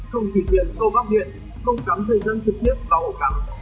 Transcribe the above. không thủy diện câu bóc điện không cắm dân dân trực tiếp vào ổ cắm